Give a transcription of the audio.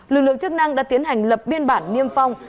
lực lượng chức năng đã tiến hành lập biên bản niêm phong